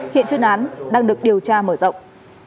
hiện chuyên án đang được điều tra mở rộng